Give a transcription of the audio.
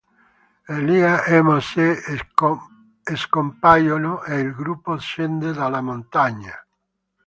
Elia e Mosè scompaiono e il gruppo scende dalla montagna.